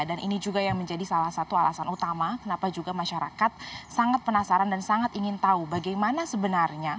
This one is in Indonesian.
dan ini juga yang menjadi salah satu alasan utama kenapa juga masyarakat sangat penasaran dan sangat ingin tahu bagaimana sebenarnya